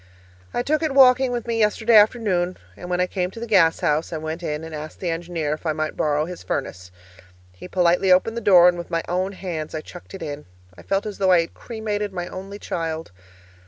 I took it walking with me yesterday afternoon, and when I came to the gas house, I went in and asked the engineer if I might borrow his furnace. He politely opened the door, and with my own hands I chucked it in. I felt as though I had cremated my only child!